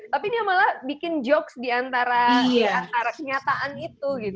tapi dia malah bikin jokes diantara kenyataan itu gitu